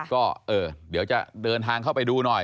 ก็เดี๋ยวจะเดินทางเข้าไปดูหน่อย